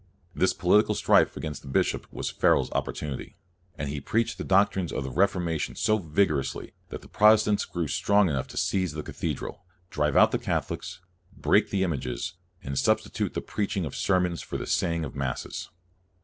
This political strife against the bishop was Farel's opportunity, and he preached the doctrines of the Reforma tion so vigorously that the Protestants grew strong enough to seize the cathedral, drive out the Catholics, break the images, and substitute the preaching of sermons for the saying of masses.